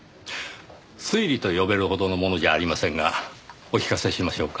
推理と呼べるほどのものじゃありませんがお聞かせしましょうか？